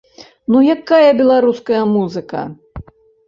Ну якая беларуская музыка!?